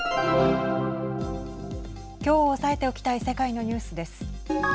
きょう押さえておきたい世界のニュースです。